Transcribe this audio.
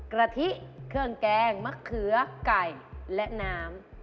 กะทิเครื่องแกงมะเขือไก่และน้ำ